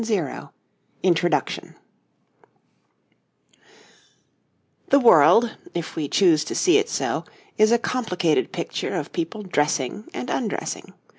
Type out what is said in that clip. ] INTRODUCTION The world, if we choose to see it so, is a complicated picture of people dressing and undressing.